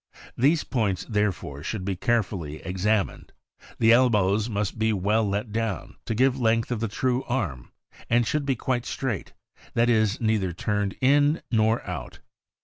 These points, therefore, should be carefully examined. The elbows must be well let down, to give length to the true arm, and should be quite straight; that is, neither turned in nor out.